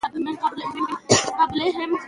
موږ باید د کورنۍ مشران په احترام ووینو